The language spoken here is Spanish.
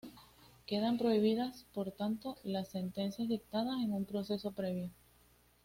Quedan prohibidas, por tanto, las sentencias dictadas sin un proceso previo.